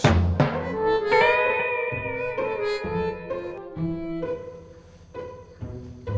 masa besok di kampus ya